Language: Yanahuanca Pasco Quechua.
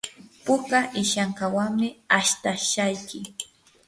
puka ishankawanmi astashayki.